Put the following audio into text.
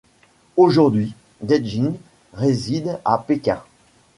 Aujourd'hui Dai Jing réside à Pékin.